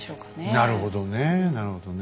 なるほどねえなるほどね。